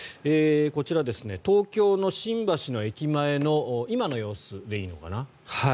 こちら、東京・新橋の駅前の今の様子でいいのかな。